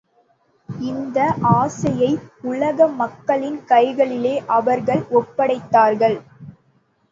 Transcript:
இந்த ஆசையை உலக மக்களின் கைகளிலே அவர்கள் ஒப்படைத்தார்கள்.